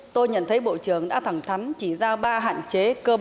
tôi nhận thấy bộ trưởng đã thẳng thắn chỉ ra ba hạn chế cơ bản